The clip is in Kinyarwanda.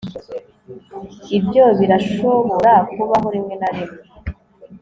ibyo birashobora kubaho rimwe na rimwe